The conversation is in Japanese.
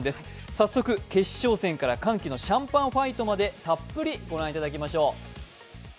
早速、決勝戦から歓喜のシャンパンファイトまでたっぷりご覧いただきましょう。